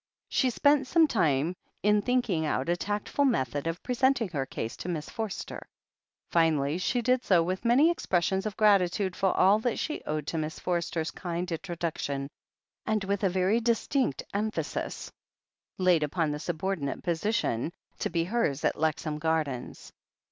She spent some time in thinking out a tactful method of presenting her case to Miss Forster. Finally she did so with many expressions of gratitude for all that she owed to Miss Forster's kind introduction, and with a very distinct emphasis laid upon the subordinate posi tion to be hers at Lexham Gardens.